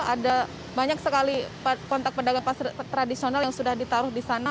ada banyak sekali kontak pedagang pasar tradisional yang sudah ditaruh di sana